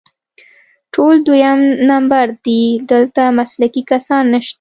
ټول دویم نمبر دي، دلته مسلکي کسان نشته